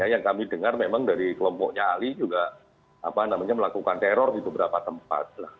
yang kami dengar memang dari kelompoknya ali juga melakukan teror di beberapa tempat